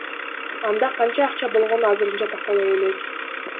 Анда канча акча болгону азырынча тактала элек.